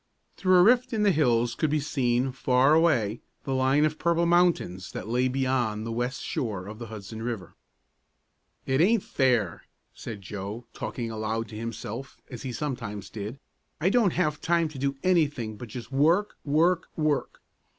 Through a rift in the hills could be seen, far away, the line of purple mountains that lay beyond the west shore of the Hudson River. "It aint fair!" said Joe, talking aloud to himself, as he sometimes did. "I don't have time to do anything but just work, work, work.